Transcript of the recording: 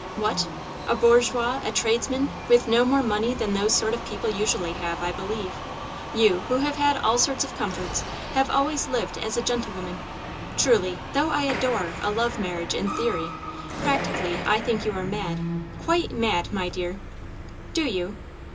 "What! a bourgeois a tradesman? with no more money than those sort of people usually have, I believe. You, who have had all sorts of comforts, have always lived as a gentlewoman. Truly, though I adore a love marriage in theory, practically I think you are mad quite mad, my dear." "Do you?"